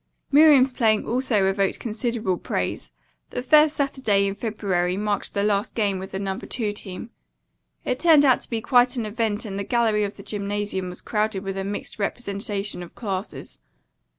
Miriam's playing also evoked considerable praise. The first Saturday in February marked the last game with the Number Two team. It turned out to be quite an event and the gallery of the gymnasium was crowded with a mixed representation of classes.